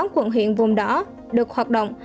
tám quận huyện vùng đỏ được hoạt động